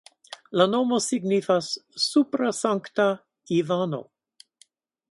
La nomo signifas supra-Sankta-Ivano.